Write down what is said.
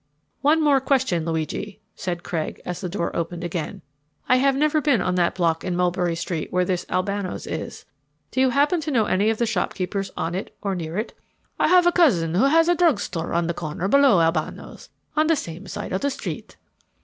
"One more question, Luigi," said Craig as the door opened again. "I have never been on that block in Mulberry Street where this Albano's is. Do you happen to know any of the shopkeepers on it or near it?" "I have a cousin who has a drug store on the corner below Albano's, on the same side of the street."